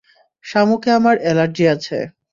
শামুকে আমার এলার্জি আছে।